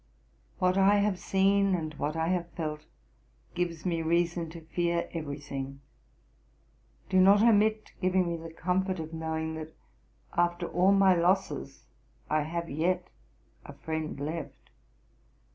What I have seen, and what I have felt, gives me reason to fear every thing. Do not omit giving me the comfort of knowing, that after all my losses I have yet a friend left.